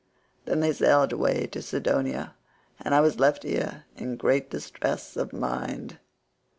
Then they sailed away to Sidonia, and I was left here in great distress of mind."